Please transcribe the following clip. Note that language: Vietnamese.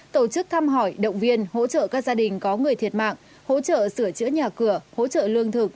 tổ chức thăm hỏi động viên hỗ trợ các gia đình có người thiệt mạng hỗ trợ sửa chữa nhà cửa hỗ trợ lương thực